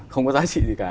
không có giá trị gì cả